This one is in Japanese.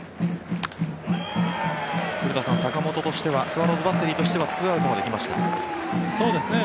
古田さん、坂本としてはスワローズバッテリーとしてはツーアウトまできました。